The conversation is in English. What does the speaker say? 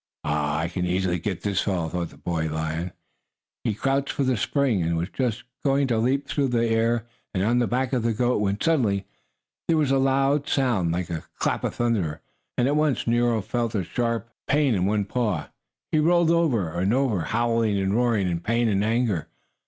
"Ah, I can easily get this fellow!" thought the boy lion. He crouched for a spring, and was just going to leap through the air and on the back of the goat when, suddenly, there was a loud sound, like a small clap of thunder, and at once Nero felt a sharp pain in one paw. He rolled over and over, howling and roaring in pain and anger.